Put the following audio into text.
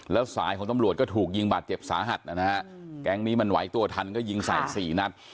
แล้วสายของตำรวจก็ถูกยิงบาดเจ็บสาหัสนะฮะแก๊งนี้มันไหวตัวทันก็ยิงใส่สี่นัด